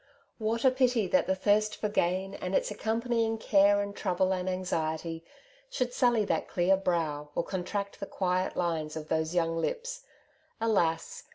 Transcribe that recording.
What a pity that the thirst for gain, and its accompanying care and trouble and anxiety, should sully that clear brow, or con tract the quiet lines of those young lips ! Alas